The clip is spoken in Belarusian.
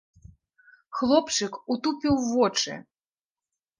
Хлопчык утупіў вочы.